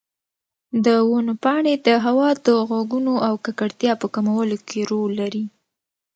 د ونو پاڼې د هوا د غږونو او ککړتیا په کمولو کې رول لري.